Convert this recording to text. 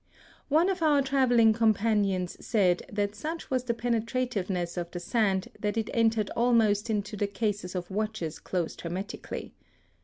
One of our travelling companions said that such was the penetrativeness of the sand that it entered almost into the cases of watches closed hermetically.